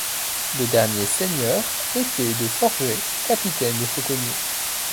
Le dernier seigneur était De Forget, capitaine des fauconniers.